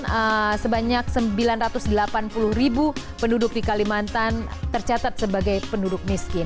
sebanyak sembilan ratus delapan puluh ribu penduduk di kalimantan tercatat sebagai penduduk miskin